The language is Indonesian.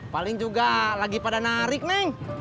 paling juga lagi pada narik neng